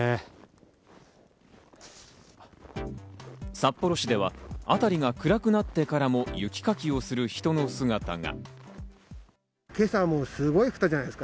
札幌市では辺りが暗くなってからも雪かきをする人の姿が。